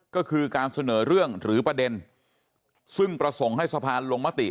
ก็คือการเสนอเรื่องหรือประเด็นซึ่งประสงค์ให้สะพานลงมติ